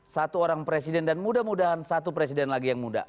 satu orang presiden dan mudah mudahan satu presiden lagi yang muda